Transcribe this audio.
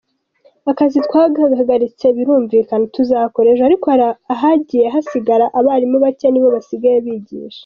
Akazi twagahagaritse birumvikana tuzakora ejo, ariko hari ahagiye hasigara abarimu bake nibo basigaye bigisha.